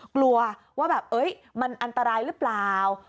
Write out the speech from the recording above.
กลัวว่าแบบมันอันตรายหรือเปล่า